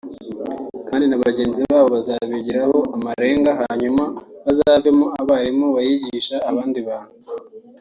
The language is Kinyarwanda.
kandi na bagenzi babo bazabigireho amarenga hanyuma bazavemo abarimu bayigisha abandi bantu